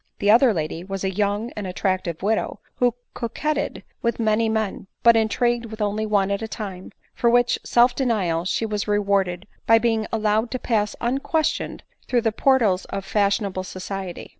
The other lady was a young and attractive widow, who coquetted with many men, but intrigued with only one at a time ; for which self denial she was rewarded by being allowed to pass unquestioned through the portals of fashionable society.